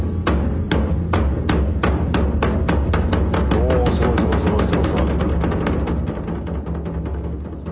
おおっすごいすごいすごいすごいすごい！